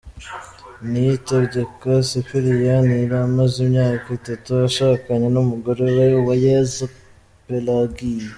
Niyitegeka Sipiriyani yari amaze imyaka itatu ashakanye n’umugore we, Uwayezu Pelagie.